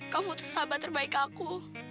kamu butuh sahabat terbaik aku